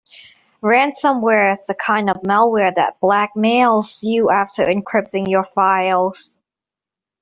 Ransomware is the kind of malware that blackmails you after encrypting your files.